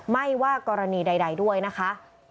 ไม่ว่ากรณีใดด้วยนะคะ